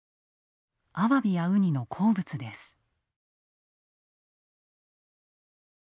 アワビやウニの好物です。